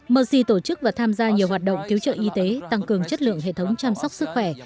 malaysia tổ chức và tham gia nhiều hoạt động cứu trợ y tế tăng cường chất lượng hệ thống chăm sóc sức khỏe